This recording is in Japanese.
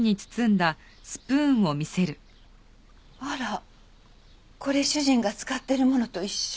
あらこれ主人が使ってるものと一緒。